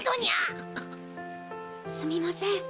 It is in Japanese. すみません。